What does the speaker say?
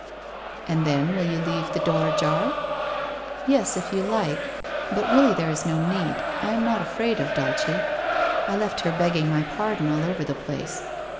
' And then will you leave the door ajar ?'* Yes, if you like, but really there is no need. I am not afraid of Dulce. I left her begging my pardon all over the place.